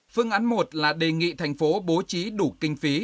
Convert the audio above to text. phương án một là đề nghị thành phố bố trí đủ kinh phí